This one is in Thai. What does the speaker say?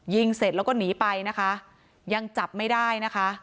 ยิงเสร็จแล้วก็หนีไปยังจับไม่ได้